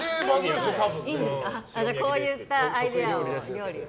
こういったアイデア料理を。